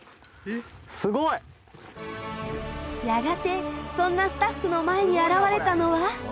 やがてそんなスタッフの前に現れたのは。